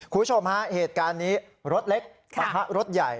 คุณผู้ชมฮะเหตุการณ์นี้รถเล็กปะทะรถใหญ่